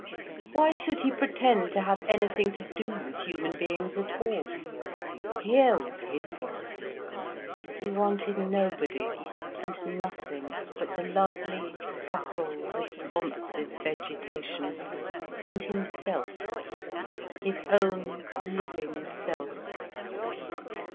Why should he pretend to have anything to do with human beings at all? Here was his world, he wanted nobody and nothing but the lovely, subtle, responsive vegetation, and himself, his own living self.